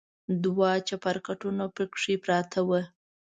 دوه چپرکټونه پکې پراته و.